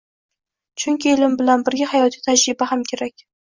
Chunki ilm bilan birga hayotiy tajriba ham kerak.